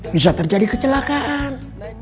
bisa terjadi kecelakaan